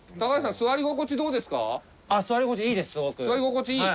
座り心地いい？